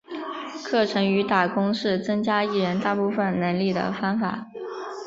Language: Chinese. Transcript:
课程与打工是增加艺人大部分能力的方法。